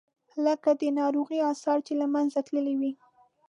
لکه د ناروغۍ آثار چې له منځه تللي وي.